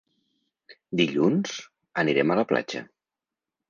Dilluns anirem a la platja.